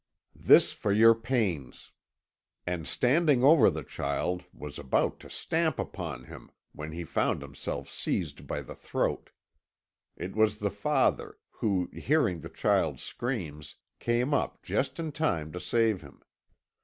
This for your pains!" And standing over the child, was about to stamp upon him, when he found himself seized by the throat. It was the father, who, hearing the child's screams, came up just in time to save him.